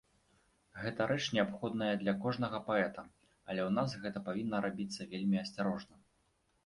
Гэта рэч неабходная для кожнага паэта, але ў нас гэта павінна рабіцца вельмі асцярожна.